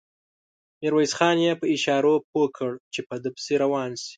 ميرويس خان يې په اشاره پوه کړ چې په ده پسې روان شي.